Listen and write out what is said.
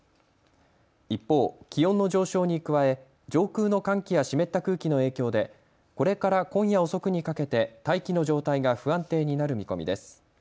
一方、気温の上昇に加え上空の寒気や湿った空気の影響でこれから今夜遅くにかけて大気の状態が不安定になる見込みです。